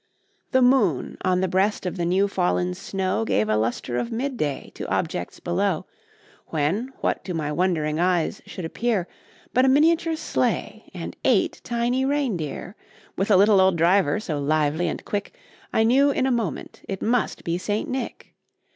The moon, on the breast of the new fallen snow, Gave a lustre of mid day to objects below; When, what to my wondering eyes should appear, But a miniature sleigh, and eight tiny rein deer, With a little old driver, so lively and quick, I knew in a moment it must be St. Nick.